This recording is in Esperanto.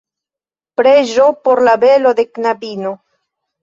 Preĝo por la belo de knabino.